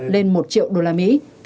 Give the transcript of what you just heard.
lên một triệu usd